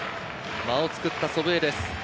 間をつくった祖父江です。